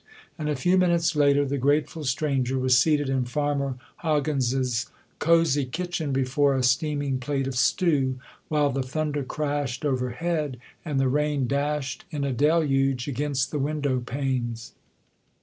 And a few minutes later the grateful stranger was seated in Farmer Hoggins's cosy kitchen before a steaming plate of stew, while the thunder crashed overhead and the rain dashed in a deluge against the window panes.